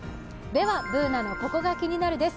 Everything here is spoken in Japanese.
Ｂｏｏｎａの「ココがキニナル」です。